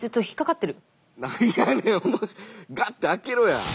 ガッて開けろや！